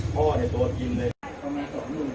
พ่อได้โดดกินเลย